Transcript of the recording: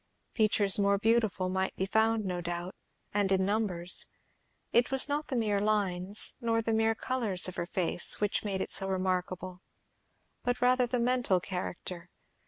Features more beautiful might be found, no doubt, and in numbers; it was not the mere lines, nor the mere colours of her face, which made it so remarkable, but rather the mental character.